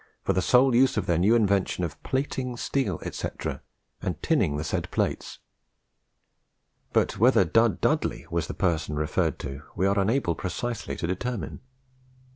for the sole use of their new invention of plating steel, &c., and tinning the said plates; but whether Dud Dudley was the person referred to, we are unable precisely to determine.